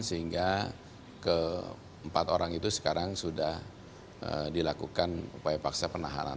sehingga keempat orang itu sekarang sudah dilakukan upaya paksa penahanan